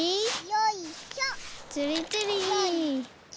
よいしょ。